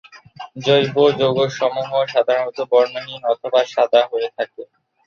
জৈব যৌগসমূহ সাধারণত বর্ণহীন অথবা সাদা হয়ে থাকে।